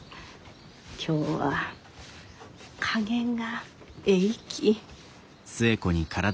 今日は加減がえいき。